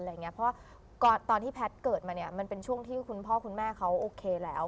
เพราะว่าตอนที่แพทย์เกิดมาเนี่ยมันเป็นช่วงที่คุณพ่อคุณแม่เขาโอเคแล้ว